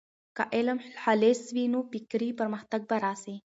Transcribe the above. که علم خالص وي، نو فکري پرمختګ به راسي.